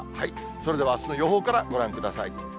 それではあすの予報からご覧ください。